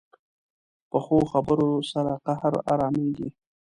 پخو خبرو سره قهر ارامېږي